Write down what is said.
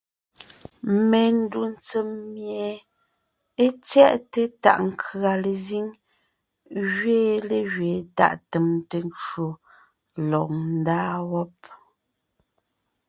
Mendù tsèm mie é tyɛʼte tàʼ nkʉ̀a lezíŋ gẅiin légẅiin tàʼ tèmte ncwò lɔg ńdaa wɔ́b.